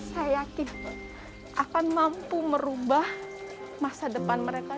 saya yakin akan mampu merubah masa depan mereka